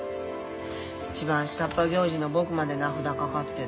一番下っ端行司の僕まで名札掛かってるのにな。